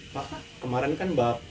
pak kemarin kan